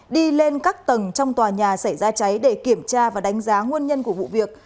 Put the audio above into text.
đi lên các tầng trong tòa nhà xảy ra cháy để kiểm tra và đánh giá nguyên nhân của vụ việc